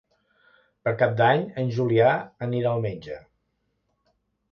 Per Cap d'Any en Julià anirà al metge.